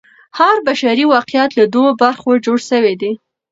هر بشري واقعیت له دوو برخو جوړ سوی دی.